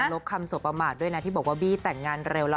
ลบคำสบประมาทด้วยนะที่บอกว่าบี้แต่งงานเร็วล่ะ